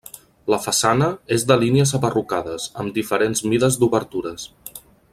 La façana és de línies abarrocades, amb diferents mides d'obertures.